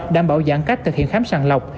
đảm bảo giãn cách thực hiện khám sàng lọc